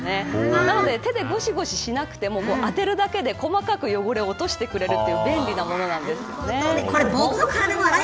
なので、手でごしごししなくても当てるだけで細かく汚れを落としてくれる便利なものです。